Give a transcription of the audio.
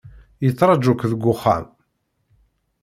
Yettraju-k deg uxxam.